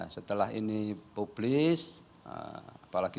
setelah ini publis apalagi